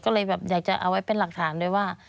ก็เลยแบบอยากจะเอาไว้เป็นหลักฐานด้วยว่า